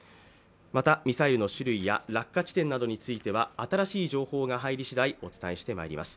またミサイルの種類や落下地点などについては、新しい情報が入りしだいお伝えしていきます。